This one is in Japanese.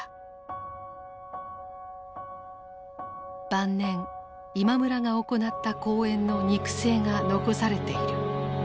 晩年今村が行った講演の肉声が残されている。